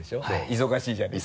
忙しいじゃないか。